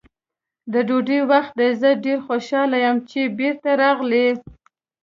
د ډوډۍ وخت دی، زه ډېر خوشحاله یم چې بېرته راغلې.